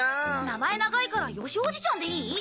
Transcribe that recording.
名前長いからよしおじちゃんでいい？